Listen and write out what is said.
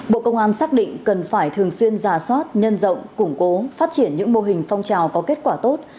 bộ công an xác định cần phải thường xuyên giả soát nhân rộng củng cố phát triển những mô hình phong trào có kết quả tốt